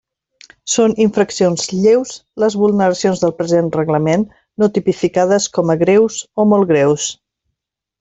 Són infraccions lleus les vulneracions del present reglament no tipificades com a greus o molt greus.